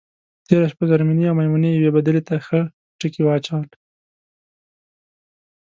تېره شپه زرمېنې او میمونې یوې بدلې ته ښه ټکي واچول.